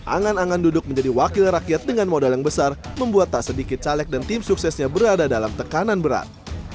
angan angan duduk menjadi wakil rakyat dengan modal yang besar membuat tak sedikit caleg dan tim suksesnya berada dalam tekanan berat